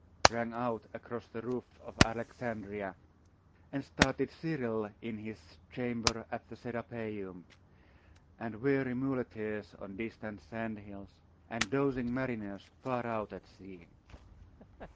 rang out across the roofs of Alexandria, and startled Cyril in his chamber at the Serapeium, and weary muleteers on distant sand hills, and dozing mariners far out at sea.